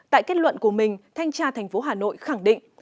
tại kết luận của mình thanh tra thành phố hà nội khẳng định